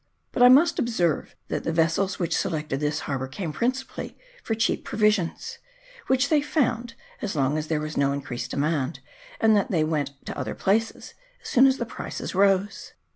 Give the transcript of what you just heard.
But I must observe that the vessels which selected this harbour came principally for cheap provisions, which they found as long as there was no increased demand, and that they went to other places as soon as the prices rose.